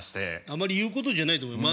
あまり言うことじゃないと思います